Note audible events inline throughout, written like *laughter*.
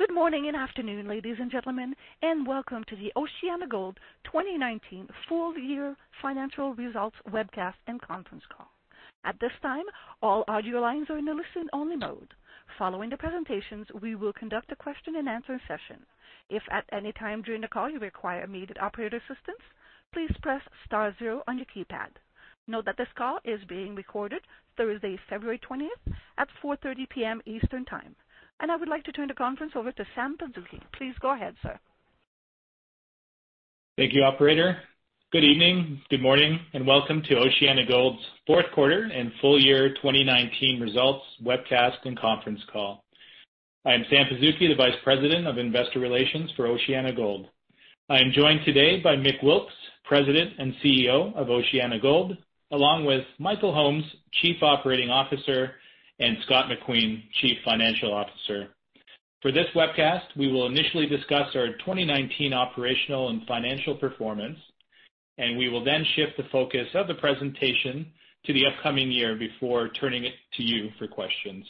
Good morning and afternoon, ladies and gentlemen, and welcome to the OceanaGold 2019 full year financial results webcast and conference call. At this time, all audio lines are in a listen-only mode. Following the presentations, we will conduct a question and answer session. If at any time during the call you require immediate operator assistance, please press star zero on your keypad. Note that this call is being recorded Thursday, February 20th at 4:30 P.M. Eastern Time. I would like to turn the conference over to Sam Pazuki. Please go ahead, sir. Thank you, operator. Good evening, good morning, and welcome to OceanaGold's fourth quarter and full year 2019 results webcast and conference call. I am Sam Pazuki, the Vice President of Investor Relations for OceanaGold. I am joined today by Mick Wilkes, President and CEO of OceanaGold, along with Michael Holmes, Chief Operating Officer, and Scott McQueen, Chief Financial Officer. For this webcast, we will initially discuss our 2019 operational and financial performance. We will then shift the focus of the presentation to the upcoming year before turning it to you for questions.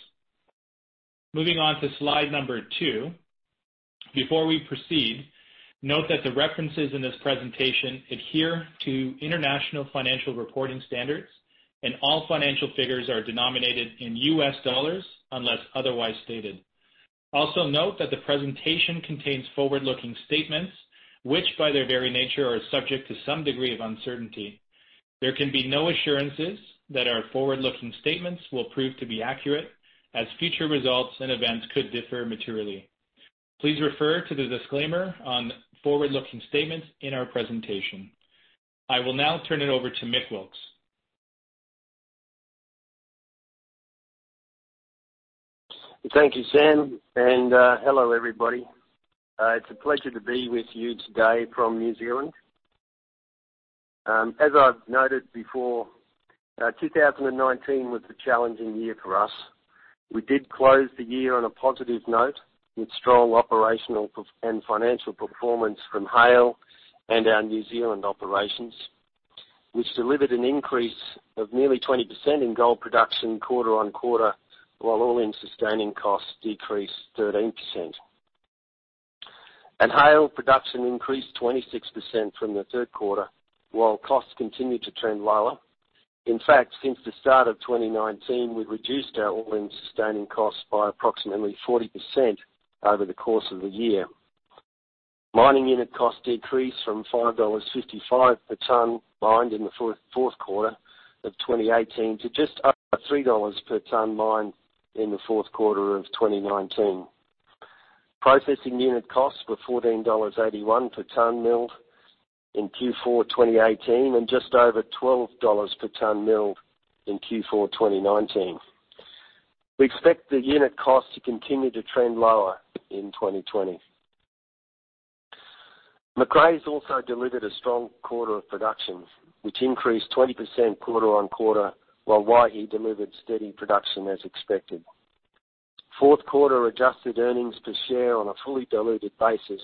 Moving on to slide number two. Before we proceed, note that the references in this presentation adhere to international financial reporting standards and all financial figures are denominated in U.S. dollars unless otherwise stated. Also, note that the presentation contains forward-looking statements, which by their very nature are subject to some degree of uncertainty. There can be no assurances that our forward-looking statements will prove to be accurate, as future results and events could differ materially. Please refer to the disclaimer on forward-looking statements in our presentation. I will now turn it over to Mick Wilkes. Thank you, Sam, and hello everybody. It's a pleasure to be with you today from New Zealand. As I've noted before, 2019 was a challenging year for us. We did close the year on a positive note, with strong operational and financial performance from Haile and our New Zealand operations, which delivered an increase of nearly 20% in gold production quarter-on-quarter, while all-in sustaining costs decreased 13%. At Haile, production increased 26% from the third quarter while costs continued to trend lower. In fact, since the start of 2019, we've reduced our all-in sustaining costs by approximately 40% over the course of the year. Mining unit costs decreased from $5.55 per tonne mined in the fourth quarter of 2018 to just under $3 per tonne mined in the fourth quarter of 2019. Processing unit costs were $14.81 per tonne milled in Q4 2018 and just over $12 per tonne milled in Q4 2019. We expect the unit cost to continue to trend lower in 2020. Macraes also delivered a strong quarter of production, which increased 20% quarter-on-quarter, while Waihi delivered steady production as expected. Fourth quarter adjusted earnings per share on a fully diluted basis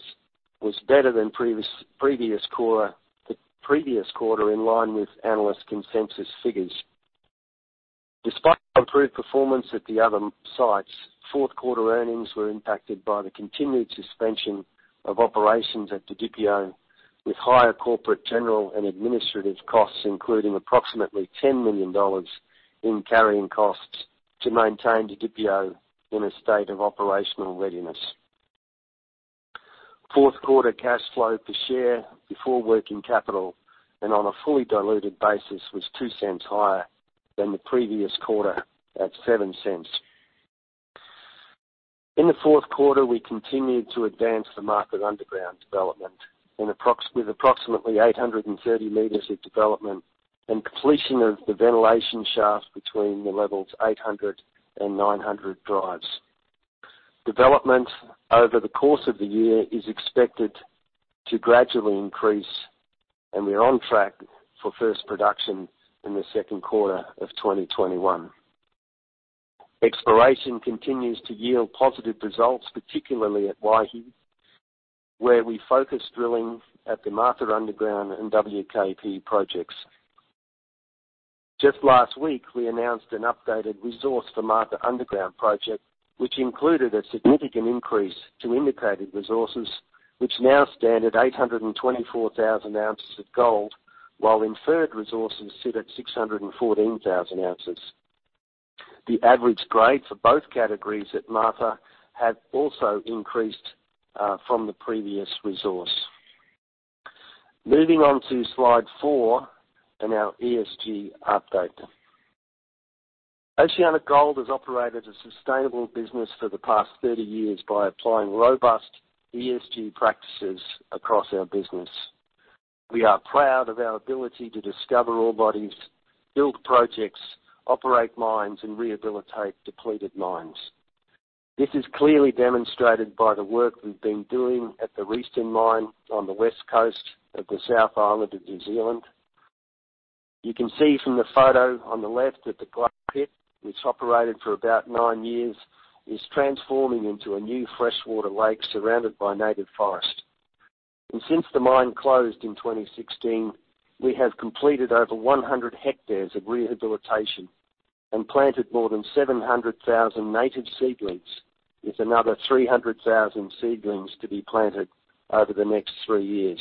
was better than the previous quarter, in line with analyst consensus figures. Despite improved performance at the other sites, fourth-quarter earnings were impacted by the continued suspension of operations at DPI, with higher corporate, general and administrative costs, including approximately $10 million in carrying costs to maintain DPI in a state of operational readiness. Fourth quarter cash flow per share before working capital and on a fully diluted basis was $0.02 higher than the previous quarter, at $0.07. In the fourth quarter, we continued to advance the Martha Underground development with approximately 830 m of development and completion of the ventilation shaft between the levels 800 and 900 drives. Development over the course of the year is expected to gradually increase. We are on track for first production in the second quarter of 2021. Exploration continues to yield positive results, particularly at Waihi, where we focus drilling at the Martha Underground and WKP projects. Just last week, we announced an updated resource for Martha Underground project, which included a significant increase to indicated resources, which now stand at 824,000 ounces of gold, while inferred resources sit at 614,000 ounces. The average grade for both categories at Martha have also increased from the previous resource. Moving on to slide four and our ESG update. OceanaGold has operated a sustainable business for the past 30 years by applying robust ESG practices across our business. We are proud of our ability to discover ore bodies, build projects, operate mines, and rehabilitate depleted mines. This is clearly demonstrated by the work we've been doing at the Reefton mine on the west coast of the South Island of New Zealand. You can see from the photo on the left that the pit, which operated for about nine years, is transforming into a new freshwater lake surrounded by native forest. Since the mine closed in 2016, we have completed over 100 hectares of rehabilitation and planted more than 700,000 native seedlings, with another 300,000 seedlings to be planted over the next three years.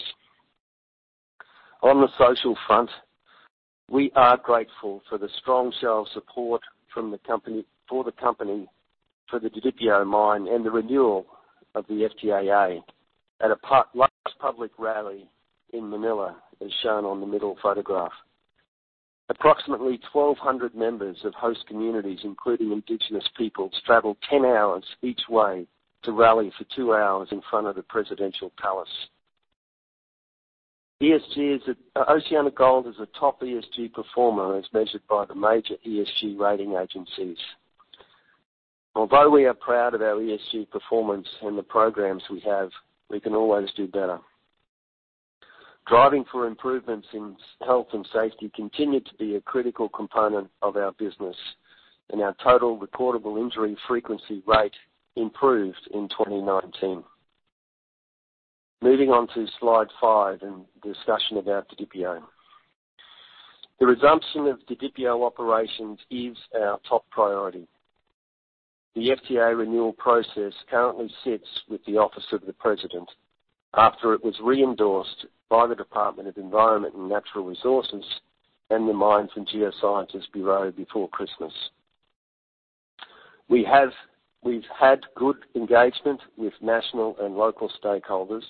On the social front, we are grateful for the strong show of support for the company, for the DPI mine, and the renewal of the FTAA at a large public rally in Manila, as shown on the middle photograph. Approximately 1,200 members of host communities, including indigenous peoples, traveled 10 hours each way to rally for two hours in front of the presidential palace. OceanaGold is a top ESG performer as measured by the major ESG rating agencies. Although we are proud of our ESG performance and the programs we have, we can always do better. Driving for improvements in health and safety continue to be a critical component of our business, and our total reportable injury frequency rate improved in 2019. Moving on to slide five and discussion about DPI. The resumption of DPI operations is our top priority. The FTA renewal process currently sits with the Office of the President after it was re-endorsed by the Department of Environment and Natural Resources and the Mines and Geosciences Bureau before Christmas. We've had good engagement with national and local stakeholders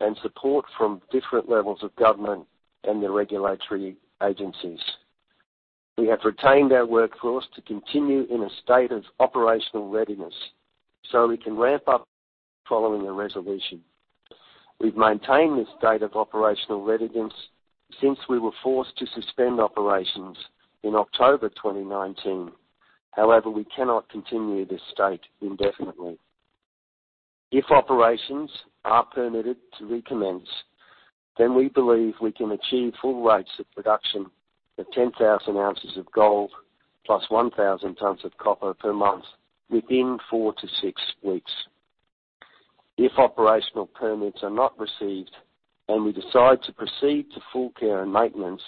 and support from different levels of government and the regulatory agencies. We have retained our workforce to continue in a state of operational readiness, so we can ramp up following a resolution. We've maintained this state of operational readiness since we were forced to suspend operations in October 2019. We cannot continue this state indefinitely. If operations are permitted to recommence, we believe we can achieve full rates of production of 10,000 ounces of gold plus 1,000 tons of copper per month within four to six weeks. If operational permits are not received and we decide to proceed to full care and maintenance,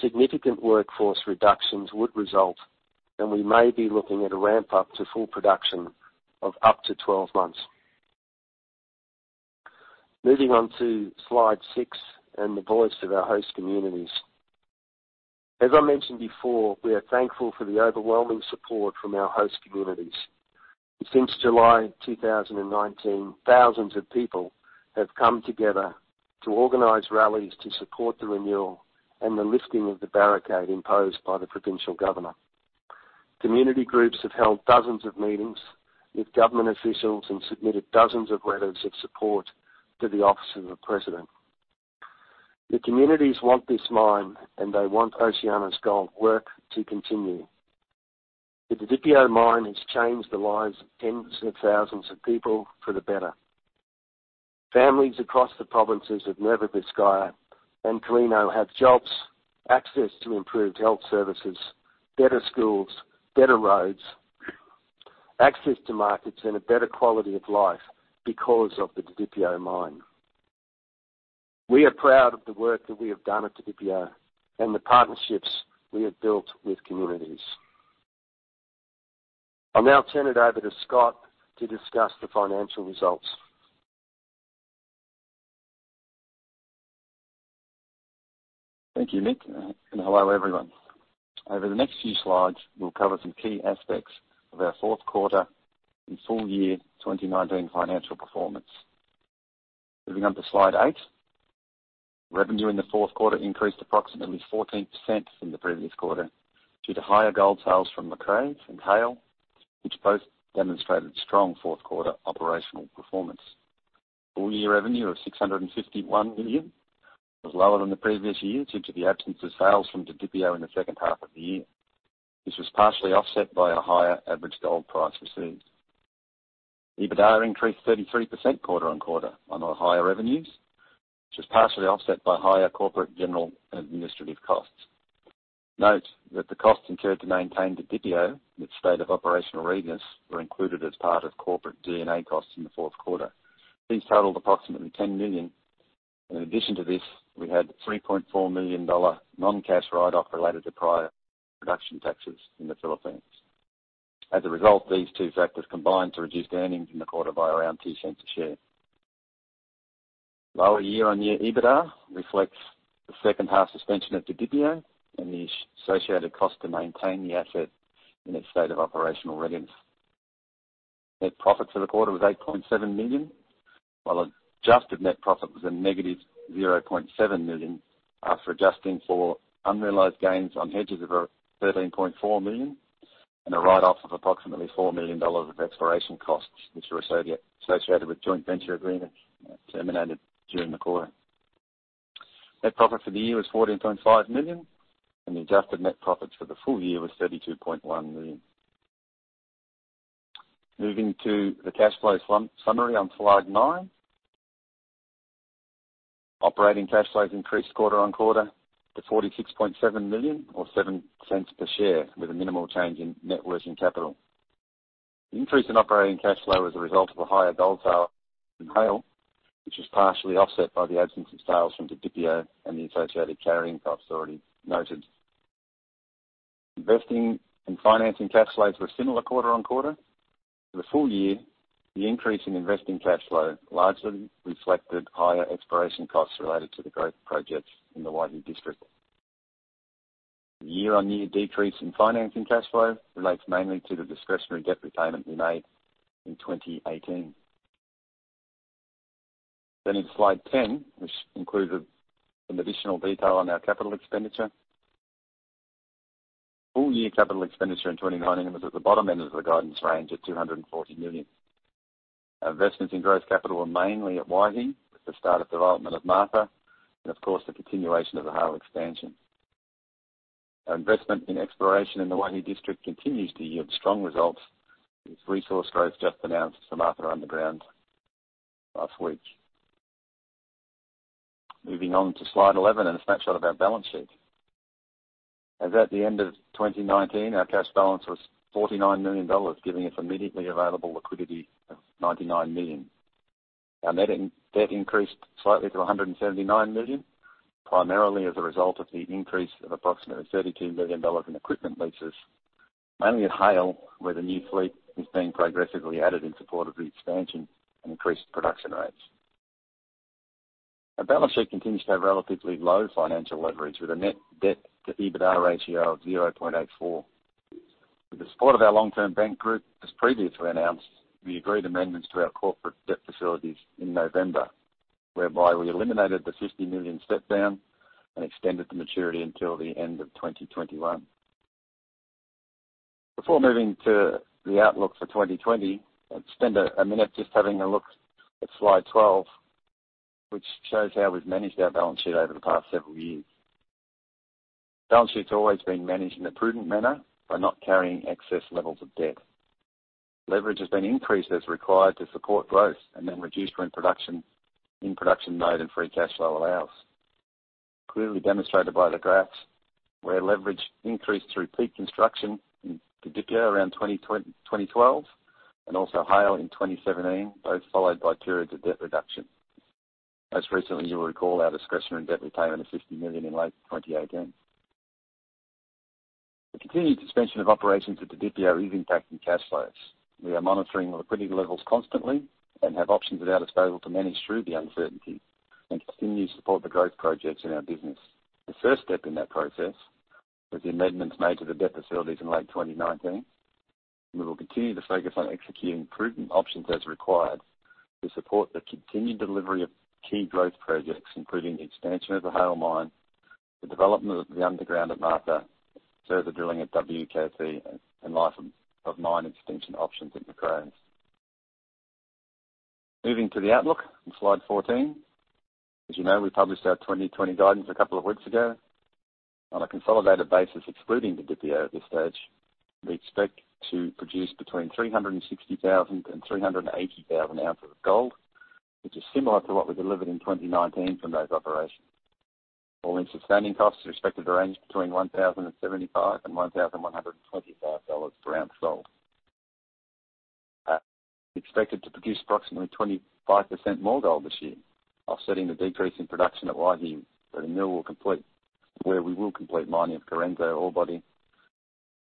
significant workforce reductions would result, and we may be looking at a ramp-up to full production of up to 12 months. Moving on to slide six and the voice of our host communities. As I mentioned before, we are thankful for the overwhelming support from our host communities. Since July 2019, thousands of people have come together to organize rallies to support the renewal and the lifting of the barricade imposed by the provincial governor. Community groups have held dozens of meetings with government officials and submitted dozens of letters of support to the Office of the President. The communities want this mine, and they want OceanaGold work to continue. The DPI mine has changed the lives of tens of thousands of people for the better. Families across the provinces of Nueva Vizcaya and Quirino have jobs, access to improved health services, better schools, better roads, access to markets, and a better quality of life because of the DPI mine. We are proud of the work that we have done at DPI and the partnerships we have built with communities. I'll now turn it over to Scott to discuss the financial results. Thank you, Mick, hello, everyone. Over the next few slides, we'll cover some key aspects of our fourth quarter and full year 2019 financial performance. Moving on to slide eight. Revenue in the fourth quarter increased approximately 14% from the previous quarter due to higher gold sales from Macraes and Haile, which both demonstrated strong fourth quarter operational performance. Full-year revenue of $651 million was lower than the previous year due to the absence of sales from DPI in the second half of the year. This was partially offset by a higher average gold price received. EBITDA increased 33% quarter-on-quarter on our higher revenues, which was partially offset by higher corporate general and administrative costs. Note that the costs incurred to maintain DPI in its state of operational readiness were included as part of corporate G&A costs in the fourth quarter. These totaled approximately $10 million. In addition to this, we had a $3.4 million non-cash write-off related to prior production taxes in the Philippines. These two factors combined to reduce earnings in the quarter by around $0.02 a share. Lower year-on-year EBITDA reflects the second-half suspension at DPI and the associated cost to maintain the asset in a state of operational readiness. Net profit for the quarter was $8.7 million, while adjusted net profit was a -$0.7 million, after adjusting for unrealized gains on hedges of $13.4 million and a write-off of approximately $4 million of exploration costs, which were associated with joint venture agreements terminated during the quarter. Net profit for the year was $14.5 million, and the adjusted net profits for the full year was $32.1 million. Moving to the cash flow summary on slide nine. Operating cash flows increased quarter-on-quarter to $46.7 million or $0.07 per share, with a minimal change in net working capital. The increase in operating cash flow was a result of a higher gold sale in Haile, which was partially offset by the absence of sales from DPI and the associated carrying costs already noted. Investing and financing cash flows were similar quarter-on-quarter. For the full year, the increase in investing cash flow largely reflected higher exploration costs related to the growth projects in the Waihi district. Year-on-year decrease in financing cash flow relates mainly to the discretionary debt repayment we made in 2018. In slide 10, which includes some additional detail on our capital expenditure. Full year capital expenditure in 2019 was at the bottom end of the guidance range at $240 million. Our investments in growth capital were mainly at Waihi with the start of development of Martha, and of course, the continuation of the Haile expansion. Our investment in exploration in the Waihi district continues to yield strong results, with resource growth just announced for Martha Underground last week. Moving on to slide 11 and a snapshot of our balance sheet. As at the end of 2019, our cash balance was $49 million, giving us immediately available liquidity of $99 million. Our net debt increased slightly to $179 million, primarily as a result of the increase of approximately $32 million in equipment leases, mainly at Haile, where the new fleet is being progressively added in support of the expansion and increased production rates. Our balance sheet continues to have relatively low financial leverage, with a net debt to EBITDA ratio of 0.84x. With the support of our long-term bank group, as previously announced, we agreed amendments to our corporate debt facilities in November, whereby we eliminated the $50 million step-down and extended the maturity until the end of 2021. Before moving to the outlook for 2020, let's spend a minute just having a look at slide 12, which shows how we've managed our balance sheet over the past several years. Balance sheet's always been managed in a prudent manner by not carrying excess levels of debt. Leverage has been increased as required to support growth and then reduced when production made and free cash flow allows. Clearly demonstrated by the graphs where leverage increased through peak construction in DPI around 2012 and also Haile in 2017, both followed by periods of debt reduction. Most recently, you'll recall our discretionary debt repayment of $50 million in late 2018. The continued suspension of operations at DPI is impacting cash flows. We are monitoring liquidity levels constantly and have options at our disposal to manage through the uncertainty and continue to support the growth projects in our business. The first step in that process was the amendments made to the debt facilities in late 2019. We will continue to focus on executing prudent options as required to support the continued delivery of key growth projects, including the expansion of the Haile Mine, the development of the underground at Martha, further drilling at WKP, and life of mine extension options at Macraes. Moving to the outlook on slide 14. As you know, we published our 2020 guidance a couple of weeks ago. On a consolidated basis, excluding DPI at this stage, we expect to produce between 360,000 and 380,000 ounces of gold, which is similar to what we delivered in 2019 from those operations. All-in sustaining costs are expected to range between $1,075 and $1,125 per ounce sold. We're expected to produce approximately 25% more gold this year, offsetting the decrease in production at Waihi, where we will complete mining of Correnso ore body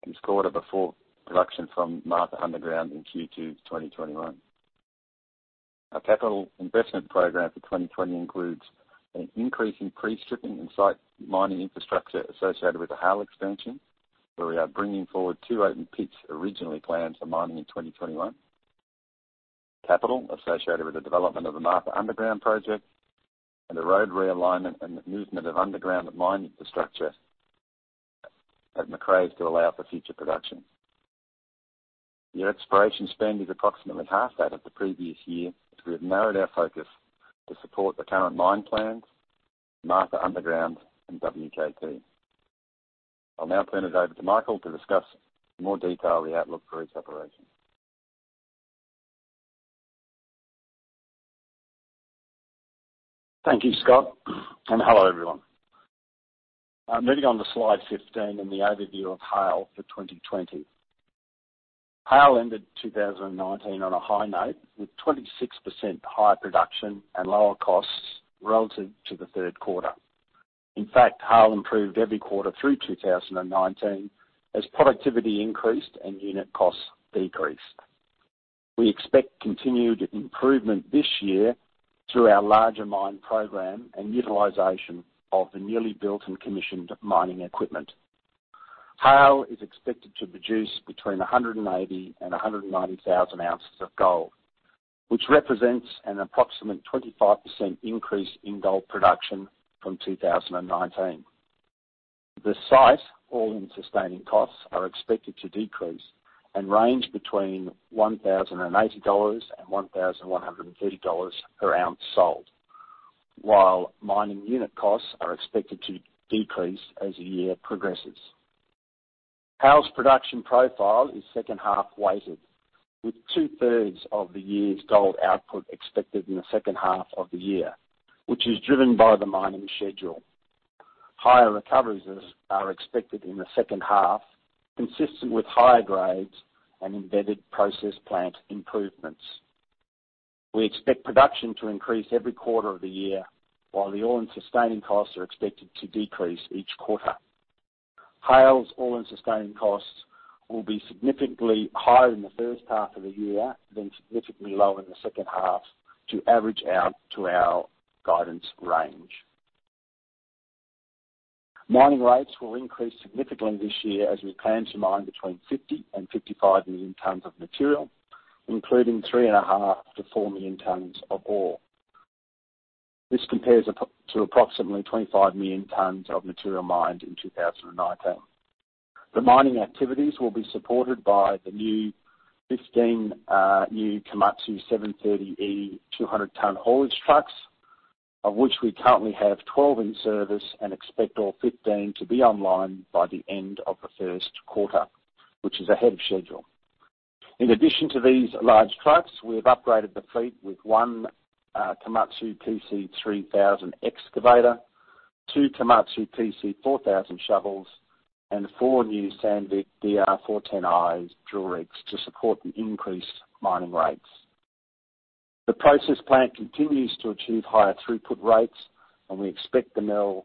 this quarter before production from Martha Underground in Q2 2021. Our capital investment program for 2020 includes an increase in pre-stripping and site mining infrastructure associated with the Haile expansion, where we are bringing forward two open pits originally planned for mining in 2021. Capital associated with the development of the Martha Underground project and the road realignment and movement of underground mine infrastructure at Macraes to allow for future production. Year exploration spend is approximately half that of the previous year, as we have narrowed our focus to support the current mine plans, Martha Underground, and WKP. I'll now turn it over to Michael to discuss in more detail the outlook for each operation. Thank you, Scott, and hello, everyone. Moving on to slide 15 and the overview of Haile for 2020. Haile ended 2019 on a high note with 26% higher production and lower costs relative to the third quarter. In fact, Haile improved every quarter through 2019 as productivity increased and unit costs decreased. We expect continued improvement this year through our larger mine program and utilization of the newly built and commissioned mining equipment. Haile is expected to produce between 180,000 and 190,000 ounces of gold, which represents an approximate 25% increase in gold production from 2019. The site, all-in sustaining costs are expected to decrease and range between $1,080 and $1,130 per ounce sold, while mining unit costs are expected to decrease as the year progresses. Haile's production profile is second half weighted, with two-thirds of the year's gold output expected in the second half of the year, which is driven by the mining schedule. Higher recoveries are expected in the second half, consistent with higher grades and embedded process plant improvements. We expect production to increase every quarter of the year, while the all-in sustaining costs are expected to decrease each quarter. Haile's all-in sustaining costs will be significantly higher in the first half of the year, significantly lower in the second half to average out to our guidance range. Mining rates will increase significantly this year as we plan to mine between 50 and 55 million tonnes of material, including 3.5 to 4 million tonnes of ore. This compares to approximately 25 million tonnes of material mined in 2019. The mining activities will be supported by the new 15 Komatsu 730E 200 ton haulage trucks, of which we currently have 12 in service and expect all 15 to be online by the end of the first quarter, which is ahead of schedule. In addition to these large trucks, we have upgraded the fleet with one Komatsu PC3000 excavator, two Komatsu PC4000 shovels, and four new Sandvik DR410i drill rigs to support the increased mining rates. The process plant continues to achieve higher throughput rates, and we expect to mill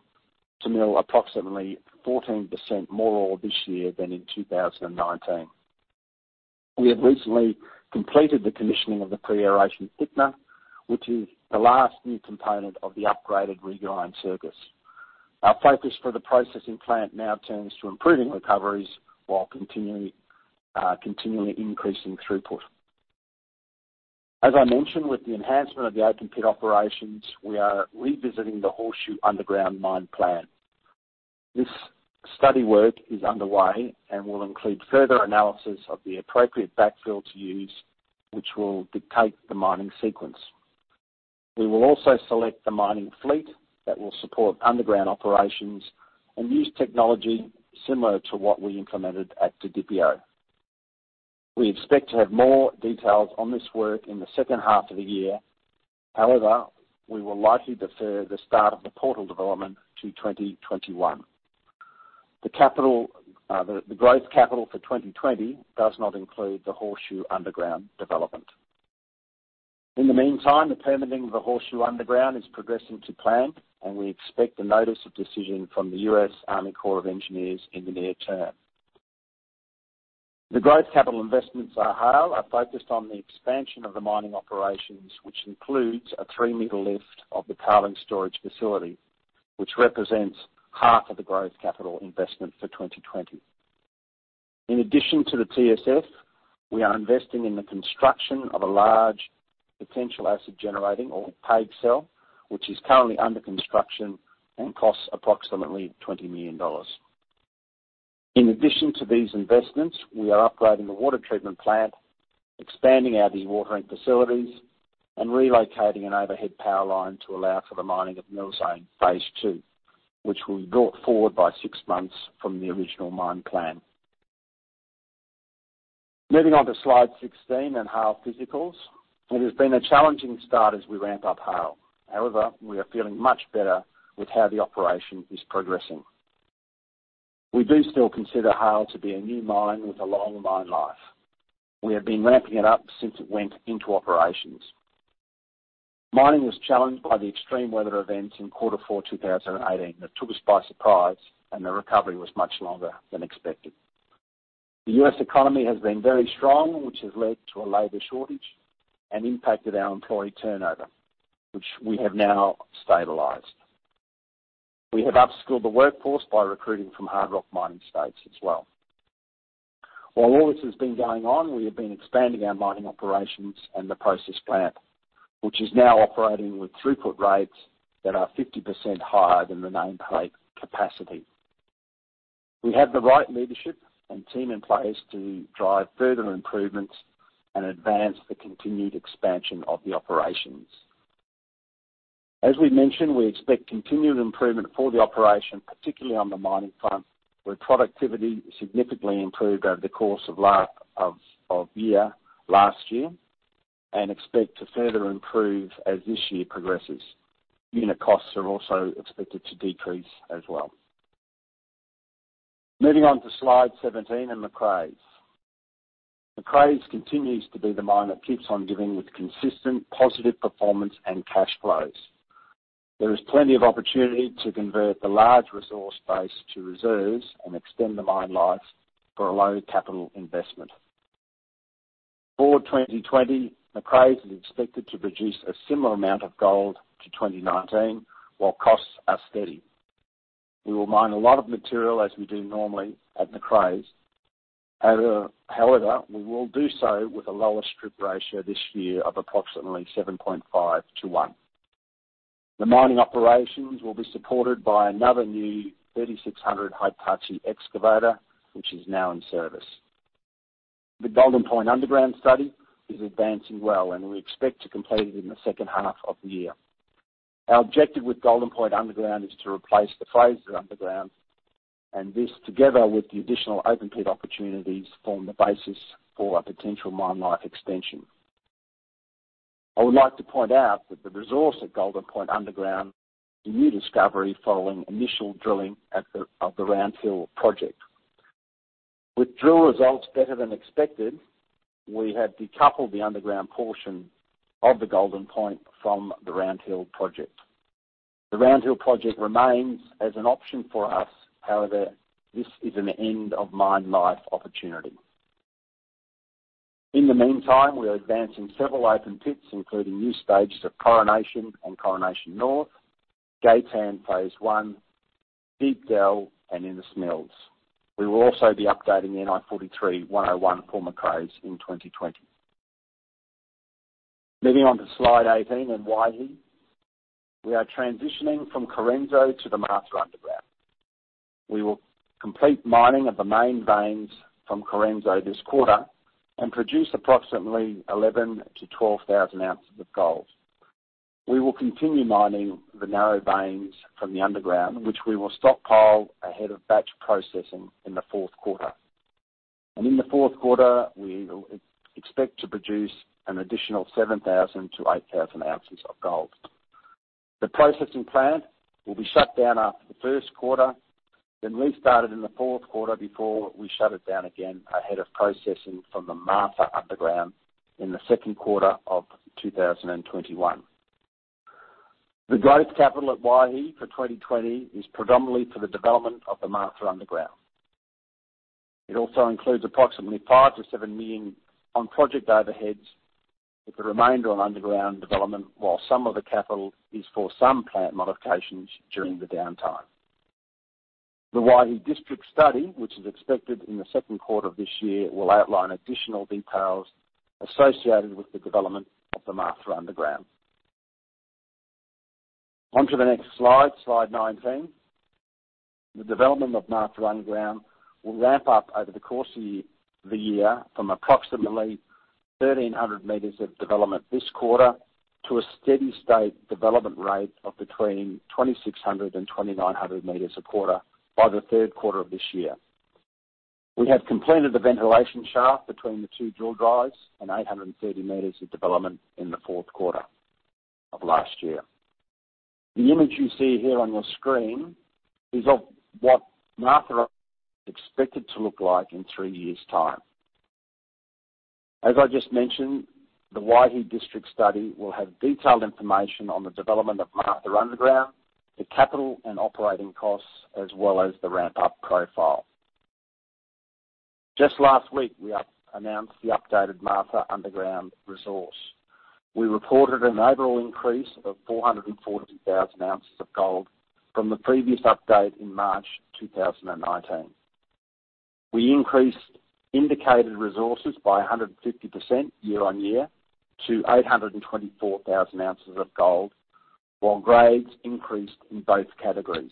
approximately 14% more ore this year than in 2019. We have recently completed the commissioning of the pre-aeration thickener, which is the last new component of the upgraded regrind circuit. Our focus for the processing plant now turns to improving recoveries while continually increasing throughput. As I mentioned, with the enhancement of the open pit operations, we are revisiting the Horseshoe underground mine plan. This study work is underway and will include further analysis of the appropriate backfill to use, which will dictate the mining sequence. We will also select the mining fleet that will support underground operations and use technology similar to what we implemented at DPI. We expect to have more details on this work in the second half of the year. However, we will likely defer the start of the portal development to 2021. The growth capital for 2020 does not include the Horseshoe underground development. In the meantime, the permitting of the Horseshoe underground is progressing to plan, and we expect the notice of decision from the U.S. Army Corps of Engineers in the near term. The growth capital investments at Haile are focused on the expansion of the mining operations, which includes a 3 m lift of the tailings storage facility, which represents half of the growth capital investment for 2020. In addition to the TSF, we are investing in the construction of a large Potentially Acid Generating or PAG cell, which is currently under construction and costs approximately $20 million. In addition to these investments, we are upgrading the water treatment plant, expanding our dewatering facilities, and relocating an overhead power line to allow for the mining of Mill Zone Phase 2, which was brought forward by six months from the original mine plan. Moving on to slide 16 on Haile physicals. It has been a challenging start as we ramp up Haile. However, we are feeling much better with how the operation is progressing. We do still consider Haile to be a new mine with a long mine life. We have been ramping it up since it went into operations. Mining was challenged by the extreme weather events in quarter four 2018 that took us by surprise, and the recovery was much longer than expected. The U.S. economy has been very strong, which has led to a labor shortage and impacted our employee turnover, which we have now stabilized. We have upskilled the workforce by recruiting from hard rock mining states as well. While all this has been going on, we have been expanding our mining operations and the process plant, which is now operating with throughput rates that are 50% higher than the nameplate capacity. We have the right leadership and team in place to drive further improvements and advance the continued expansion of the operations. As we mentioned, we expect continued improvement for the operation, particularly on the mining front, where productivity significantly improved over the course of year last year, and expect to further improve as this year progresses. Unit costs are also expected to decrease as well. Moving on to slide 17 on Macraes. Macraes continues to be the mine that keeps on giving with consistent positive performance and cash flows. There is plenty of opportunity to convert the large resource base to reserves and extend the mine life for a low capital investment. For 2020, Macraes is expected to produce a similar amount of gold to 2019 while costs are steady. We will mine a lot of material as we do normally at Macraes. However, we will do so with a lower strip ratio this year of approximately 7.5 to one. The mining operations will be supported by another new 3600 Hitachi excavator, which is now in service. The Golden Point underground study is advancing well. We expect to complete it in the second half of the year. Our objective with Golden Point underground is to replace the Frasers underground. This, together with the additional open pit opportunities, form the basis for a potential mine life extension. I would like to point out that the resource at Golden Point underground is a new discovery following initial drilling of the Round Hill project. With drill results better than expected, we have decoupled the underground portion of the Golden Point from the Round Hill project. The Round Hill project remains as an option for us, however, this is an end of mine life opportunity. In the meantime, we are advancing several open pits, including new stages of Coronation and Coronation North, Gay-tan Phase 1, Deepdell, and Innes Mills. We will also be updating the NI 43-101 for Macraes in 2020. Moving on to slide 18 on Waihi. We are transitioning from Correnso to the Martha underground. We will complete mining of the main veins from Correnso this quarter and produce approximately 11,000 to 12,000 ounces of gold. We will continue mining the narrow veins from the underground, which we will stockpile ahead of batch processing in the fourth quarter. In the fourth quarter, we will expect to produce an additional 7,000 to 8,000 ounces of gold. The processing plant will be shut down after the first quarter, then restarted in the fourth quarter before we shut it down again ahead of processing from the Martha underground in the second quarter of 2021. The growth capital at Waihi for 2020 is predominantly for the development of the Martha underground. It also includes approximately $5 million-$7 million on project overheads with the remainder on underground development, while some of the capital is for some plant modifications during the downtime. The Waihi District Study, which is expected in the second quarter of this year, will outline additional details associated with the development of the Martha underground. On to the next slide 19. The development of Martha underground will ramp up over the course of the year from approximately 1,300 m of development this quarter to a steady state development rate of between 2,600 and 2,900 m a quarter by the third quarter of this year. We have completed the ventilation shaft between the two drill drives and 830 m of development in the fourth quarter of last year. The image you see here on your screen is of what Martha is expected to look like in three years’ time. As I just mentioned, the Waihi District Study will have detailed information on the development of Martha underground, the capital and operating costs, as well as the ramp-up profile. Just last week, we announced the updated Martha underground resource. We reported an overall increase of 440,000 ounces of gold from the previous update in March 2019. We increased indicated resources by 150% year-on-year to 824,000 ounces of gold, while grades increased in both categories.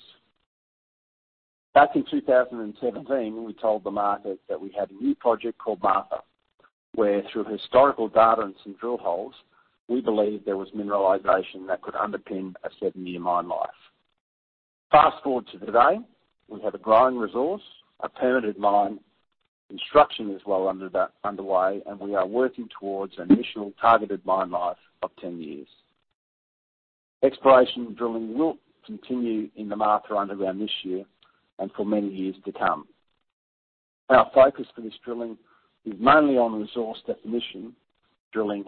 Back in 2017, we told the market that we had a new project called Martha, where through historical data and some drill holes, we believed there was mineralization that could underpin a seven-year mine life. Fast-forward to today, we have a growing resource, a permitted mine, construction is well underway, and we are working towards an initial targeted mine life of 10 years. Exploration drilling will continue in the Martha underground this year and for many years to come. Our focus for this drilling is mainly on resource definition drilling.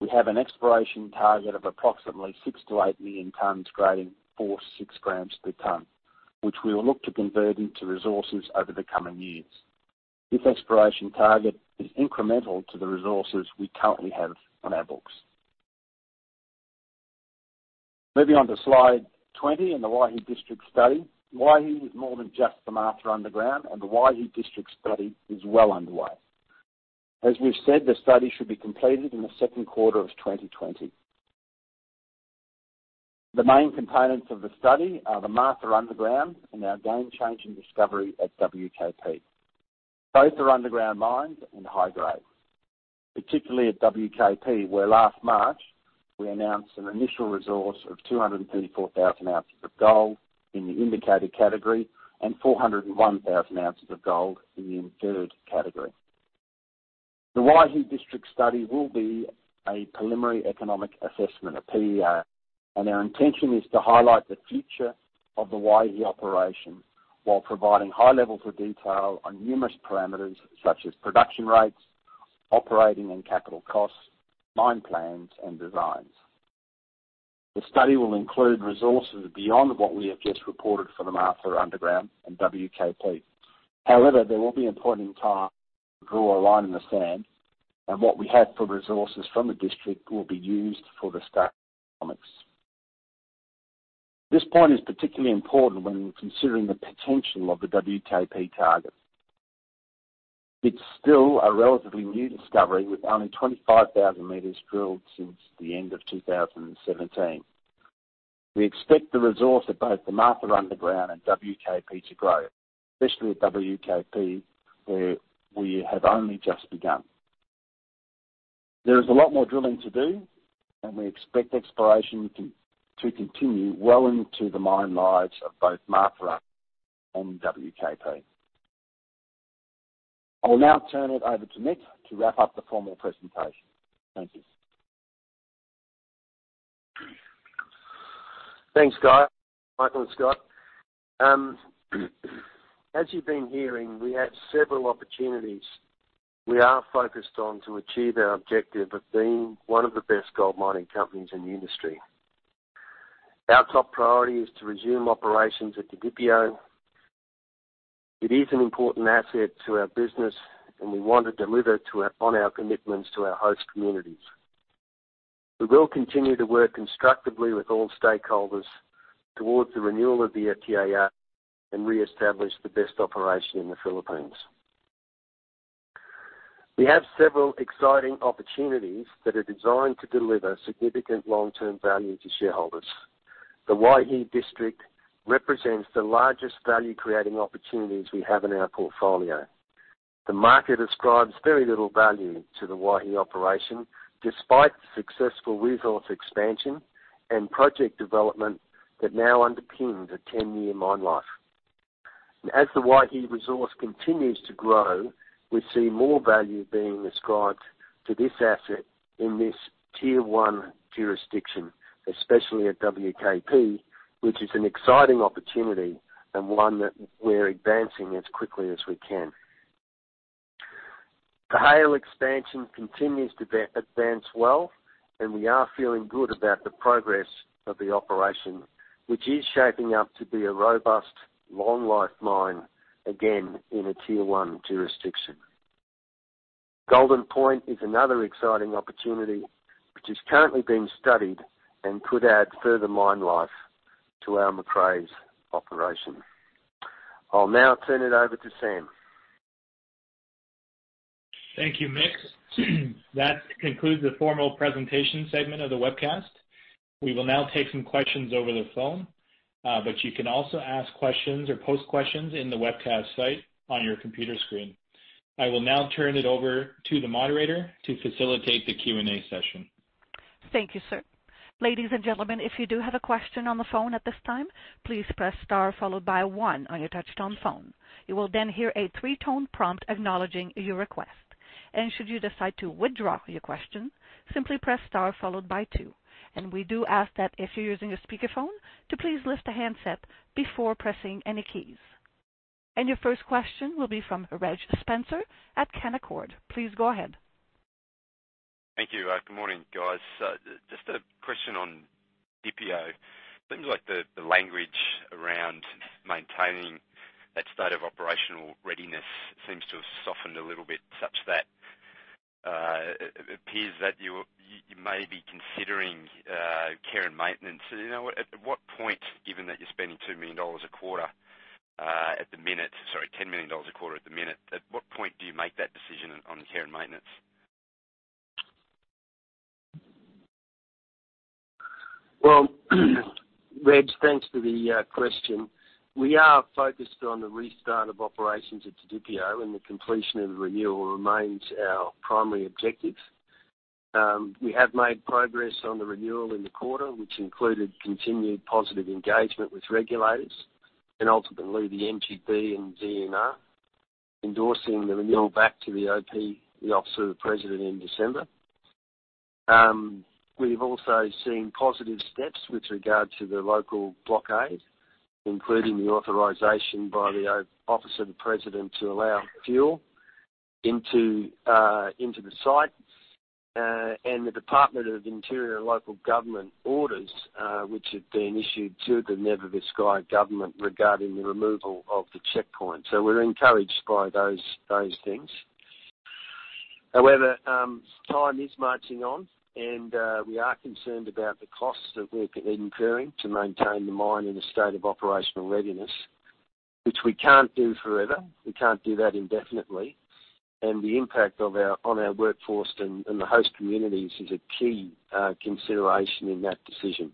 We have an exploration target of approximately 6 million-8 million tonnes grading 4 grams-6 grams per tonne, which we will look to convert into resources over the coming years. This exploration target is incremental to the resources we currently have on our books. Moving on to slide 20 and the Waihi District Study. Waihi is more than just the Martha underground, and the Waihi District Study is well underway. As we've said, the study should be completed in the second quarter of 2020. The main components of the study are the Martha underground and our game-changing discovery at WKP. Both are underground mines and high grade, particularly at WKP, where last March, we announced an initial resource of 234,000 ounces of gold in the indicated category and 401,000 ounces of gold in the inferred category. The Waihi District Study will be a preliminary economic assessment, a PEA. Our intention is to highlight the future of the Waihi operation while providing high levels of detail on numerous parameters such as production rates, operating and capital costs, mine plans, and designs. The study will include resources beyond what we have just reported for the Martha underground and WKP. However, there will be a point in time to draw a line in the sand, and what we have for resources from the district will be used for the study economics. This point is particularly important when considering the potential of the WKP target. It's still a relatively new discovery, with only 25,000 m drilled since the end of 2017. We expect the resource at both the Martha underground and WKP to grow, especially at WKP, where we have only just begun. There is a lot more drilling to do, and we expect exploration to continue well into the mine lives of both Martha and WKP. I will now turn it over to Mick to wrap up the formal presentation. Thank you. Thanks, Mick, Michael and Scott. As you've been hearing, we have several opportunities we are focused on to achieve our objective of being one of the best gold mining companies in the industry. Our top priority is to resume operations at DPI. It is an important asset to our business, and we want to deliver on our commitments to our host communities. We will continue to work constructively with all stakeholders towards the renewal of the FTAA and reestablish the best operation in the Philippines. We have several exciting opportunities that are designed to deliver significant long-term value to shareholders. The Waihi district represents the largest value-creating opportunities we have in our portfolio. The market ascribes very little value to the Waihi operation, despite the successful resource expansion and project development that now underpins a 10-year mine life. As the Waihi resource continues to grow, we see more value being ascribed to this asset in this tier 1 jurisdiction, especially at WKP, which is an exciting opportunity and one that we're advancing as quickly as we can. The Haile expansion continues to advance well, we are feeling good about the progress of the operation, which is shaping up to be a robust long life mine, again, in a Tier 1 jurisdiction. Golden Point is another exciting opportunity, which is currently being studied and could add further mine life to our Macraes operation. I'll now turn it over to Sam. Thank you, Mick. That concludes the formal presentation segment of the webcast. We will now take some questions over the phone. You can also ask questions or pose questions in the webcast site on your computer screen. I will now turn it over to the moderator to facilitate the Q&A session. Thank you, sir. Ladies and gentlemen, if you do have a question on the phone at this time, please press star followed by one on your touchtone phone. You will then hear a three-tone prompt acknowledging your request. Should you decide to withdraw your question, simply press star followed by two. We do ask that if you're using a speakerphone, to please lift the handset before pressing any keys. Your first question will be from Reg Spencer at Canaccord. Please go ahead. Thank you. Good morning, guys. Just a question on DPI. Seems like the language around maintaining that state of operational readiness seems to have softened a little bit, such that it appears that you may be considering care and maintenance. At what point, given that you're spending $2 million a quarter at the minute Sorry, $10 million a quarter at the minute. At what point do you make that decision on care and maintenance? Reg, thanks for the question. We are focused on the restart of operations at DPI, and the completion of the renewal remains our primary objective. We have made progress on the renewal in the quarter, which included continued positive engagement with regulators and ultimately the MGB and DENR, endorsing the renewal back to the OP, the Office of the President in December. We've also seen positive steps with regard to the local blockade, including the authorization by the Office of the President to allow fuel into the site, and the Department of the Interior and Local Government orders, which have been issued to the Nueva Vizcaya government regarding the removal of the checkpoint. We're encouraged by those things. However, time is marching on, and we are concerned about the costs that we're incurring to maintain the mine in a state of operational readiness, which we can't do forever. We can't do that indefinitely. The impact on our workforce and the host communities is a key consideration in that decision.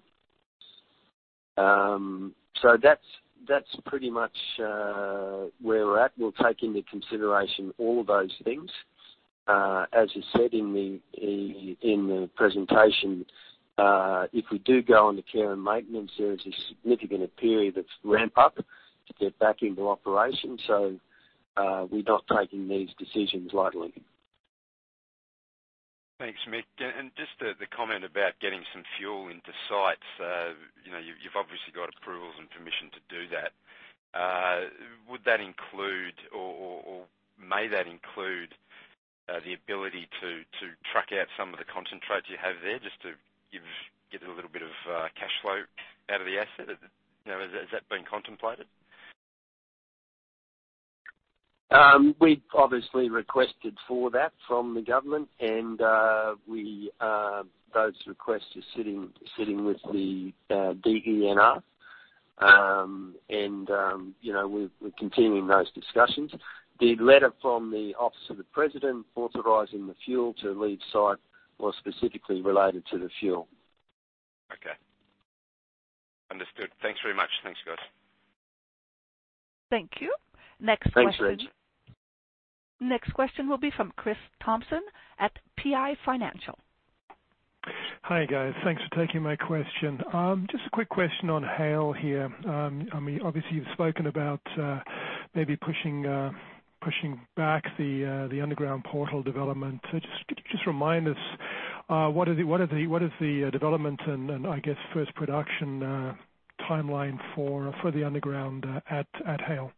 That's pretty much where we're at. We'll take into consideration all of those things. As you said in the presentation, if we do go on to care and maintenance, there is a significant period of ramp up to get back into operation. We're not taking these decisions lightly. Thanks, Mick. Just the comment about getting some fuel into sites, you've obviously got approvals and permission to do that. Would that include or may that include the ability to truck out some of the concentrates you have there just to give a little bit of cash flow out of the asset? Has that been contemplated? We've obviously requested for that from the government, and those requests are sitting with the DENR. We're continuing those discussions. The letter from the Office of the President authorizing the fuel to leave site was specifically related to the fuel. Okay. Understood. Thanks very much. Thanks, guys. Thank you. Next question. Thanks, Reg. Next question will be from Chris Thompson at PI Financial. Hi, guys. Thanks for taking my question. Just a quick question on Haile here. Obviously, you've spoken about maybe pushing back the underground portal development. Just could you just remind us, what is the development and, I guess, first production timeline for the underground at Haile?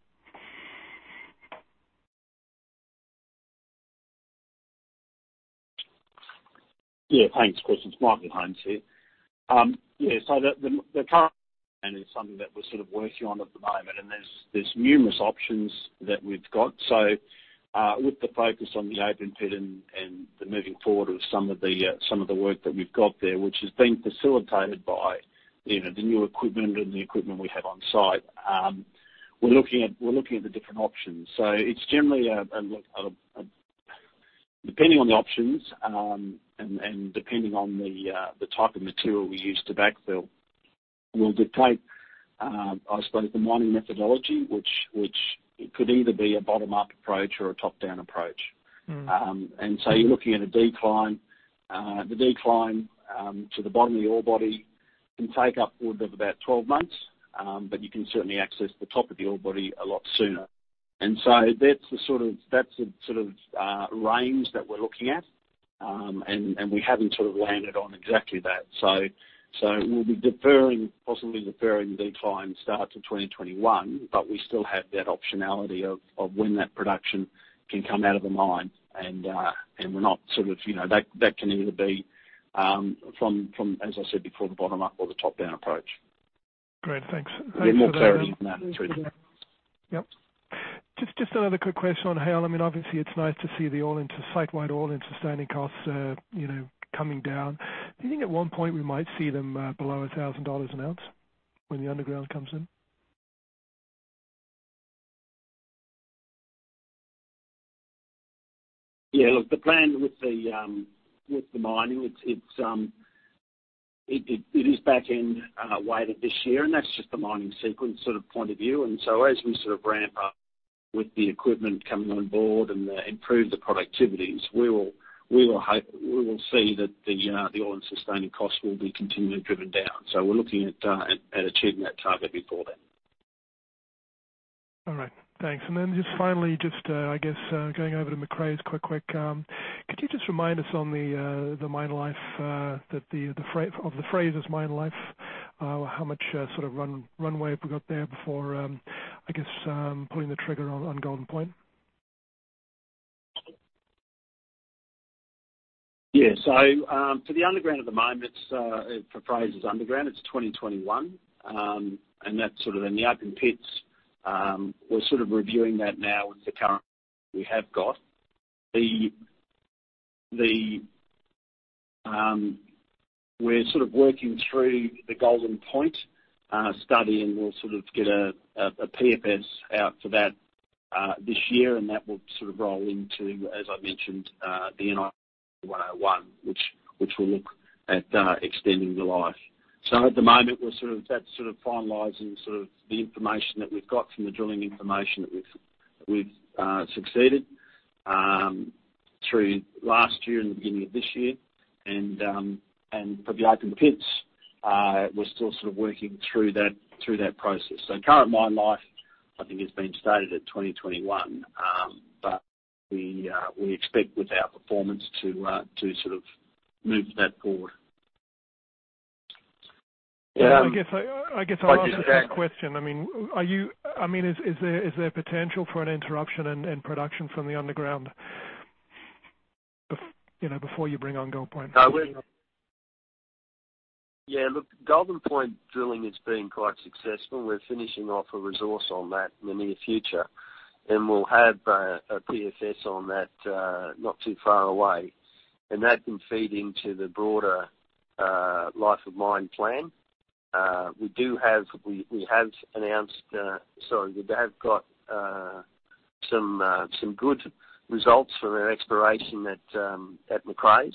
Yeah, thanks. Of course, it's Michael Holmes here. Yeah. The current plan is something that we're sort of working on at the moment, and there's numerous options that we've got. With the focus on the open pit and the moving forward of some of the work that we've got there, which has been facilitated by the new equipment and the equipment we have on site. We're looking at the different options. It's generally, depending on the options, and depending on the type of material we use to backfill, will dictate, I suppose, the mining methodology, which could either be a bottom-up approach or a top-down approach. You're looking at a decline. The decline to the bottom of the ore body can take upwards of about 12 months, but you can certainly access the top of the ore body a lot sooner. That's the sort of range that we're looking at, and we haven't landed on exactly that. We'll be possibly deferring the decline start to 2021, but we still have that optionality of when that production can come out of the mine. That can either be from, as I said before, the bottom-up or the top-down approach. Great. Thanks. *crosstalk* Yep. Just another quick question on Haile. Obviously, it's nice to see the site-wide all-in sustaining costs coming down. Do you think at one point we might see them below $1,000 an ounce when the underground comes in? Yeah, look, the plan with the mining, it is backend-weighted this year. That's just the mining sequence sort of point of view. As we sort of ramp up with the equipment coming on board and improve the productivities, we will see that the all-in sustaining costs will be continually driven down. We're looking at achieving that target before then. All right. Thanks. Just finally, just I guess going over to Macraes quite quick. Could you just remind us on the mine life, of the Frasers mine life? How much sort of runway have we got there before, I guess, pulling the trigger on Golden Point? For the underground at the moment, for Frasers underground, it's 2021. That's sort of in the open pits, we're sort of reviewing that now with the current we have got. We're sort of working through the Golden Point study, and we'll sort of get a PFS out for that, this year, that will sort of roll into, as I mentioned, the NI 43-101, which will look at extending the life. At the moment, we're sort of finalizing sort of the information that we've got from the drilling information that we've received, through last year and the beginning of this year. For the open pits, we're still sort of working through that process. Current mine life, I think, has been stated at 2021. We expect with our performance to sort of move that forward. I guess I'll ask the same question. Is there potential for an interruption in production from the underground before you bring on Golden Point? Golden Point Drilling has been quite successful. We're finishing off a resource on that in the near future. We'll have a PFS on that not too far away. That can feed into the broader life of mine plan. We have got some good results from our exploration at Macraes,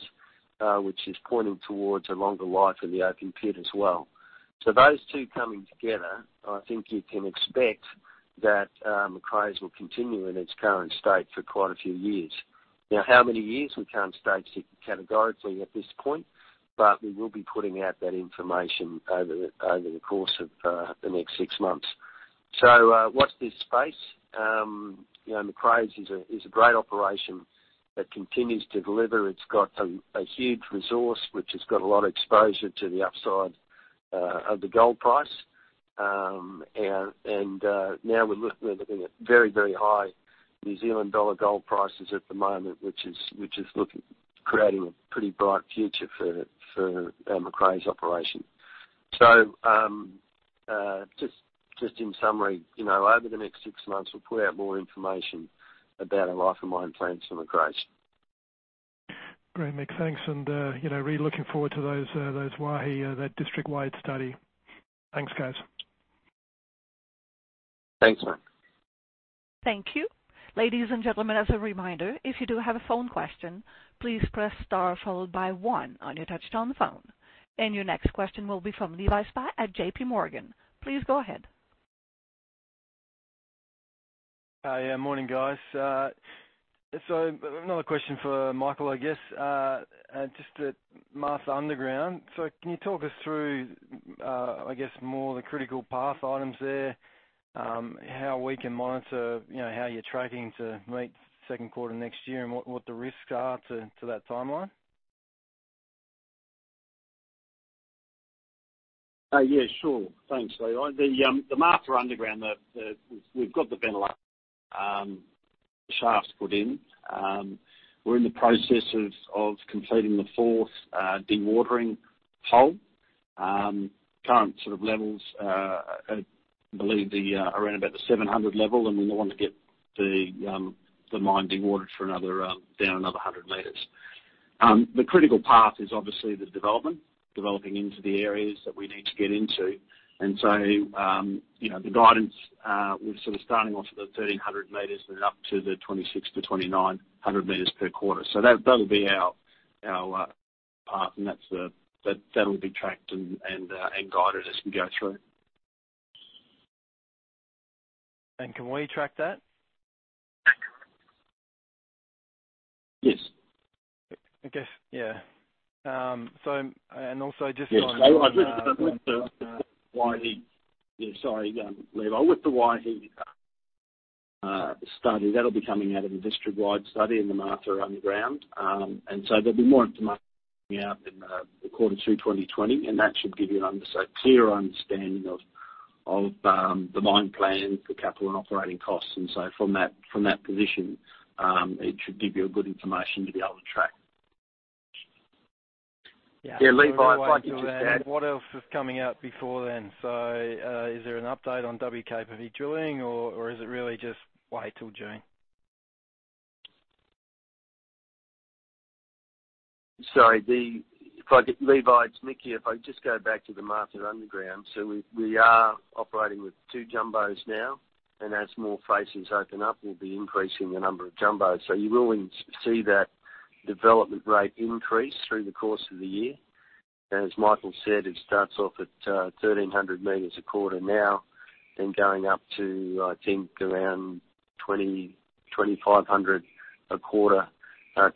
which is pointing towards a longer life in the open pit as well. Those two coming together, I think you can expect that Macraes will continue in its current state for quite a few years. Now, how many years, we can't state categorically at this point, but we will be putting out that information over the course of the next six months. Watch this space. Macraes is a great operation that continues to deliver. It's got a huge resource, which has got a lot of exposure to the upside of the gold price. Now we're looking at very, very high New Zealand dollar gold prices at the moment, which is creating a pretty bright future for our Macraes operation. Just in summary, over the next six months, we'll put out more information about our life of mine plans for Macraes. Great, Mick, thanks. Really looking forward to that district-wide study. Thanks, guys. Thanks, Chris. Thank you. Ladies and gentlemen, as a reminder, if you do have a phone question, please press star followed by one on your touchtone phone. Your next question will be from Levi Spry at JPMorgan. Please go ahead. Morning, guys. Another question for Michael, I guess, just at Martha underground. Can you talk us through more of the critical path items there, how we can monitor how you're tracking to meet second quarter next year, and what the risks are to that timeline? Yeah, sure. Thanks, Levi. The Martha underground, we've got the ventilation shafts put in. We're in the process of completing the fourth dewatering hole. Current sort of levels, I believe, are around about the 700 level. We want to get the mine dewatered down another 100 m. The critical path is obviously the development, developing into the areas that we need to get into. The guidance, we're sort of starting off at the 1,300 m and up to the 2,600 m-2,900 m per quarter. That'll be our path, and that'll be tracked and guided as we go through. Can we track that? Yes. I guess, yeah. Yes, Levi. Yeah, sorry, Levi. With the Waihi study, that'll be coming out of a district-wide study in the Martha underground. There'll be more information coming out in the quarter two 2020, that should give you a clear understanding of the mine plan for capital and operating costs. From that position, it should give you good information to be able to track. Yeah. Yeah, Levi, if I could just add. What else is coming out before then? Is there an update on WKP drilling, or is it really just wait till June? Sorry. Levi, it's Mick here. If I could just go back to the Martha underground. We are operating with two jumbos now, and as more faces open up, we'll be increasing the number of jumbos. You will see that development rate increase through the course of the year. As Michael said, it starts off at 1,300 m a quarter now, then going up to, I think, around 2,500 m a quarter,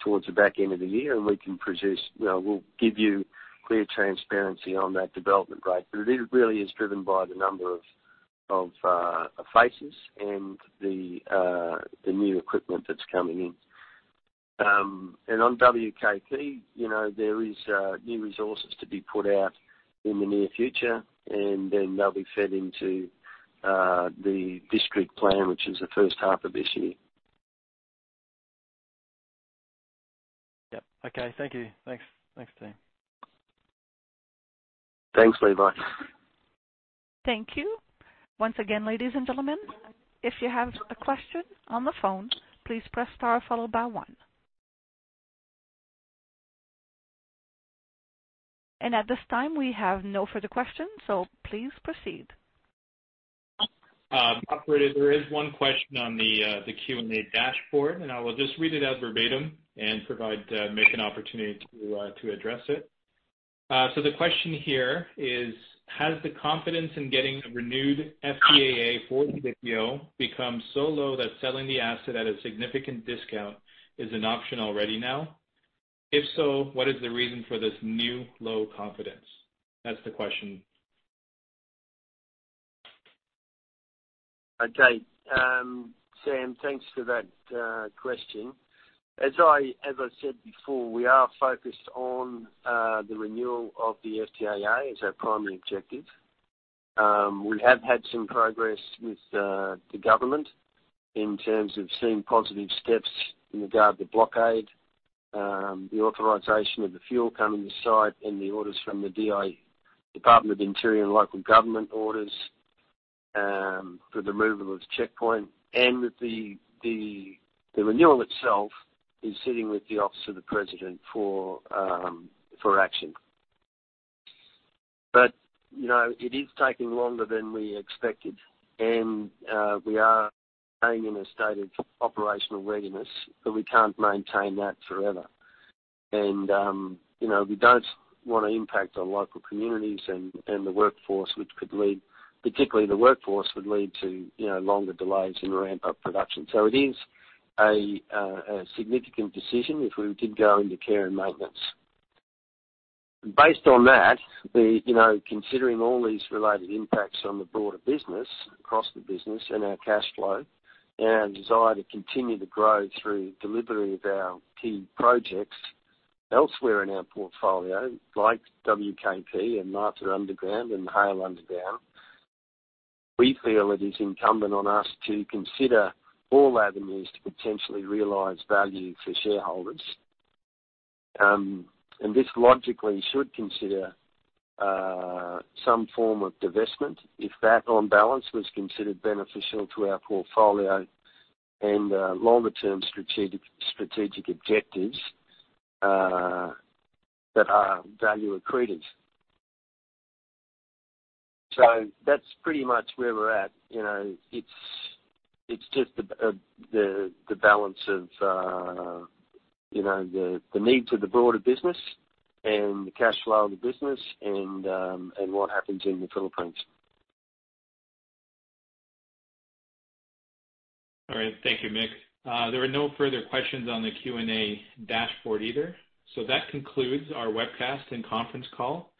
towards the back end of the year. We'll give you clear transparency on that development rate. It really is driven by the number of faces and the new equipment that's coming in. On WKP, there is new resources to be put out in the near future, and then they'll be fed into the district plan, which is the first half of this year. Yep. Okay. Thank you. Thanks. Thanks, team. Thanks, Levi. Thank you. Once again, ladies and gentlemen, if you have a question on the phone, please press star followed by one. At this time, we have no further questions, please proceed. Operator, there is one question on the Q&A dashboard, and I will just read it out verbatim and make an opportunity to address it. The question here is: Has the confidence in getting a renewed FTAA for DPI become so low that selling the asset at a significant discount is an option already now? If so, what is the reason for this new low confidence? That's the question. Okay. Sam, thanks for that question. As I said before, we are focused on the renewal of the FTAA as our primary objective. We have had some progress with the government in terms of seeing positive steps in regard to blockade, the authorization of the fuel coming to site, and the orders from the Department of the Interior and Local Government orders for the removal of checkpoint. The renewal itself is sitting with the Office of the President for action. It is taking longer than we expected, and we are staying in a state of operational readiness, but we can't maintain that forever. We don't want to impact on local communities and the workforce, which could lead, particularly the workforce, would lead to longer delays in ramp-up production. It is a significant decision if we did go into care and maintenance. Based on that, considering all these related impacts on the broader business, across the business and our cash flow, and our desire to continue to grow through delivery of our key projects elsewhere in our portfolio, like WKP and Martha underground and Haile underground, we feel it is incumbent on us to consider all avenues to potentially realize value for shareholders. This logically should consider some form of divestment if that, on balance, was considered beneficial to our portfolio and longer-term strategic objectives that are value accretive. That's pretty much where we're at. It's just the balance of the needs of the broader business and the cash flow of the business and what happens in the Philippines. All right. Thank you, Mick. There are no further questions on the Q&A dashboard either. That concludes our webcast and conference call.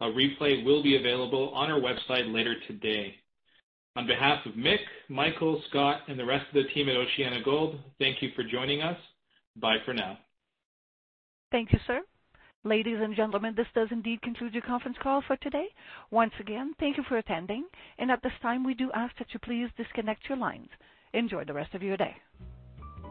A replay will be available on our website later today. On behalf of Mick, Michael, Scott, and the rest of the team at OceanaGold, thank you for joining us. Bye for now. Thank you, sir. Ladies and gentlemen, this does indeed conclude your conference call for today. Once again, thank you for attending. At this time, we do ask that you please disconnect your lines. Enjoy the rest of your day.